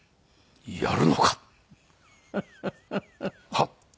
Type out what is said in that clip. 「はっ！」。